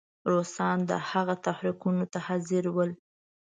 روسان د هغه تحریکولو ته حاضر ول.